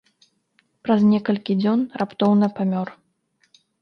Праз некалькі дзён раптоўна памёр.